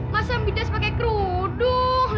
masa midas pakai kerudung